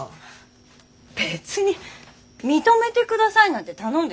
別に認めてくださいなんて頼んでないし。